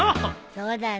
そうだね。